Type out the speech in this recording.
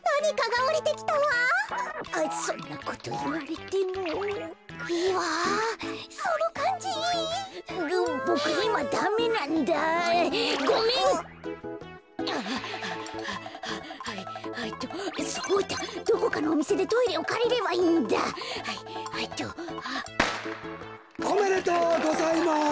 おめでとうございます！